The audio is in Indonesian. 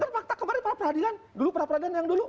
ya mungkin itu fakta kemarin peradilan dulu peradilan yang dulu